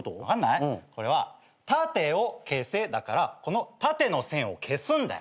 これは「タテヲケセ」だからこの縦の線を消すんだよ。